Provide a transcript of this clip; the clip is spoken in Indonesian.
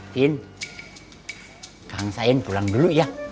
tin kang sain pulang dulu ya